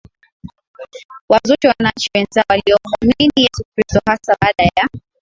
wazushi wananchi wenzao waliomuamini Yesu Kristo hasa baada ya